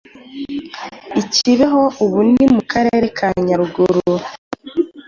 i Kibeho ubu ni mu karere ka Nyaruguru,